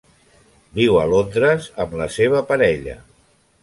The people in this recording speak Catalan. Viu a Londres amb la seva parella.